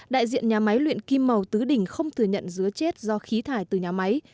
đại diện nhà máy luyện kim màu tứ đỉnh không thừa nhận dứa chết do khí thải từ nhà máy